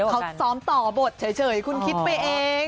เขาซ้อมต่อบทเฉยคุณคิดไปเอง